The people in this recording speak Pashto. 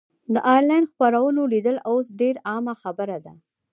د انلاین خپرونو لیدل اوس ډېره عامه خبره ده.